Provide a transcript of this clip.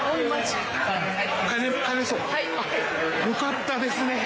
よかったですね。